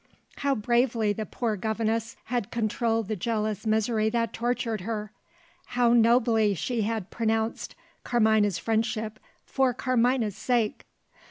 How bravely the poor governess had controlled the jealous misery that tortured her! How nobly she had pronounced Carmina's friendship for Carmina's sake!